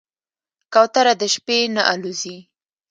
کوتره د شپې نه الوزي.